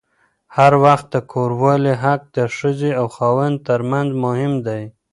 هر وخت د کوروالې حق د ښځې او خاوند ترمنځ مهم دی.